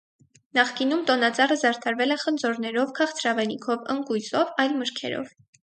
Նախկինում տոնածառը զարդարվել է խնձորներով, քաղցրավենիքով, ընկույզով, այլ մրգերով։